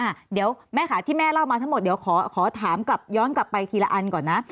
อ่ะเดี๋ยวแม่ค่ะที่แม่เล่ามาทั้งหมดเดี๋ยวขอขอถามกลับย้อนกลับไปทีละอันก่อนนะ